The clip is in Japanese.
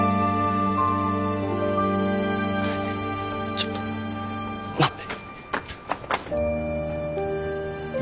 ちょっと待って。